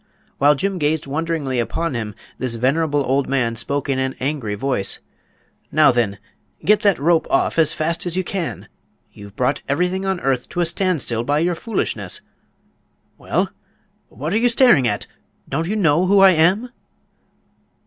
While Jim gazed wonderingly upon him, this venerable old man spoke in an angry voice: "Now, then—get that rope off as fast as you can! You've brought everything on earth to a standstill by your foolishness! Well—what are you staring at? Don't you know who I am?"